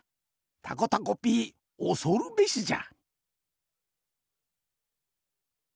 たこたこピーおそるべしじゃ。